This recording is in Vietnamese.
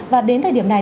và đến thời điểm này